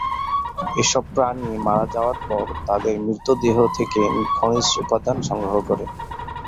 এসব প্রাণী মারা যাওয়ার পর তাদের মৃতদেহ থেকে খনিজ উপাদান সংগ্রহ করে।